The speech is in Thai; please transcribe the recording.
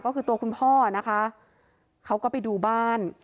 ก็คือตัวคุณพ่อนะคะเขาก็ไปดูบ้าน